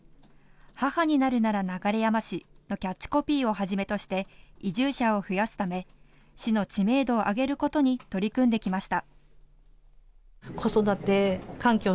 母になるなら、流山市のキャッチコピーをはじめとして移住者を増やすため市の知名度を上げることに取り組んできました。